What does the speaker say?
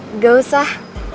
ehm gak usah